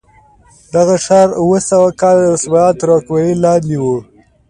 دغه ښار اوه سوه کاله د مسلمانانو تر واکمنۍ لاندې و.